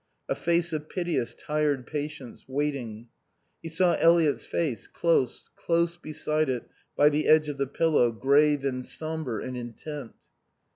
A face of piteous, tired patience, waiting. He saw Eliot's face, close, close beside it by the edge of the pillow, grave and sombre and intent.